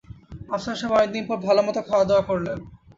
আফসার সাহেব অনেক দিন পর ভালোমতো খাওয়াদাওয়া করলেন।